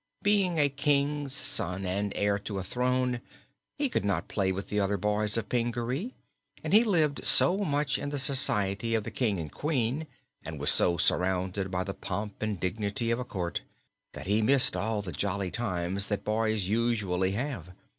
Being a King's son and heir to a throne, he could not play with the other boys of Pingaree, and he lived so much in the society of the King and Queen, and was so surrounded by the pomp and dignity of a court, that he missed all the jolly times that boys usually have.